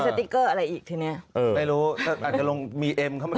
สติ๊กเกอร์อะไรอีกทีเนี้ยเออไม่รู้อาจจะลงมีเอ็มเข้ามา